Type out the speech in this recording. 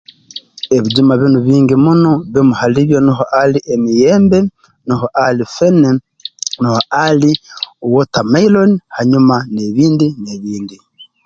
Ebijuma binu bingi muno bimu hali byo nuho ali emiyembe nuho ali feene nuho ali water mailoni hanyuma n'ebindi n'ebindi